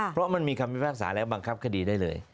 เพราะมันมีคำพิพากษาแล้วบังคับคดีได้เลย